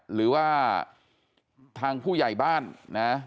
หรือว่าทางผู้ใหญ่บ้านนะ